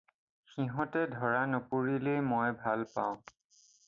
সিহঁতে ধৰা নপৰিলেই মই ভাল পাওঁ এতিয়া।